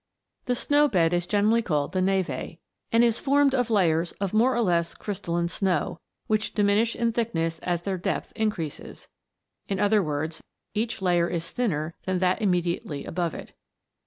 The snow bed is generally called the neve, and is formed of layers of more or less crystalline snow, which diminish in thickness as their depth increases ; in other words, each layer is thinner than that immediately above it.